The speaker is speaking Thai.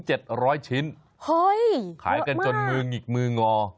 เฮ้ยเหลือมากขายกันจนมือหงิกมืองอ